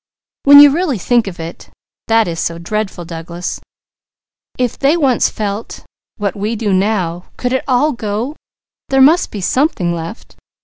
When you really think of it, that is so dreadful, Douglas. If they once felt what we do now, could it all go? There must be something left!